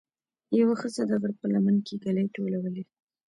یوه ښځه د غره په لمن کې ګلې ټولولې.